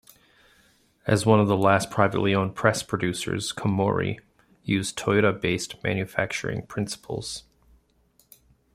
As one of the last privately owned press producers, Komori uses Toyota-based manufacturing principles.